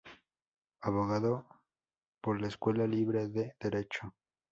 Abogado por la Escuela Libre de Derecho.